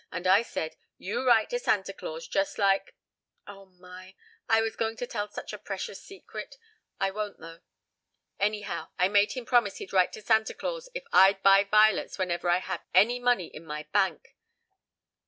And I said, 'you write to Santa Claus just like' Oh, my! I was just going to tell such a precious secret. I won't, though Anyhow, I made him promise he'd write to Santa Claus if I'd buy vi'lets whenever I had any money in my bank.